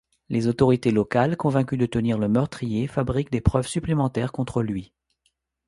Les autorités locales, convaincues de tenir le meurtrier, fabriquent des preuves supplémentaires contre lui.